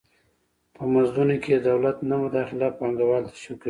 په مزدونو کې د دولت نه مداخله پانګوال تشویقوي.